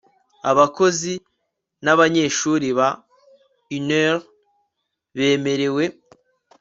Abakozi n abanyeshuri ba UNR bemerewe